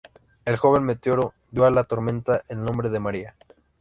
El joven meteorólogo dio a la tormenta el nombre de Maria